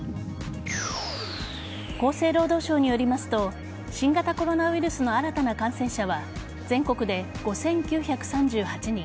厚生労働省によりますと新型コロナウイルスの新たな感染者は全国で５９３８人